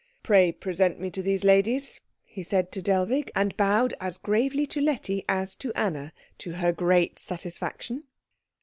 "Pray present me to these ladies," he said to Dellwig, and bowed as gravely to Letty as to Anna, to her great satisfaction.